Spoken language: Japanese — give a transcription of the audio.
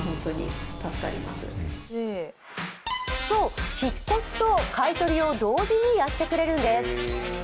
そう、引っ越しと買い取りを同時にやってくれるんです。